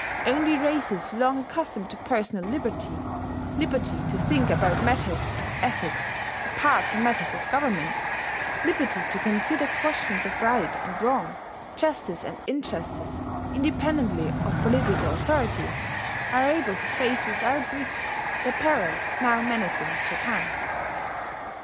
Only races long accustomed to personal liberty, liberty to think about matters of ethics apart from matters of government, liberty to consider questions of right and wrong, justice and injustice, independently of political authority, are able to face without risk the peril now menacing Japan.